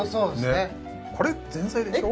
ねっこれ前菜でしょ？